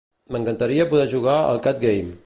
M'encantaria poder jugar al "Cat game".